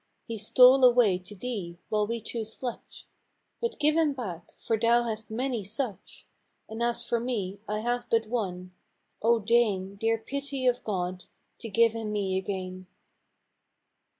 He stole away to Thee while we two slept, But give him back, for Thou hast many such; And as for me I have but one. O deign, Dear Pity of God, to give him me again."